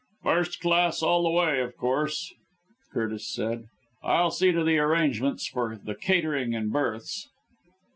"First class all the way, of course," Curtis said, "I'll see to the arrangements for the catering and berths."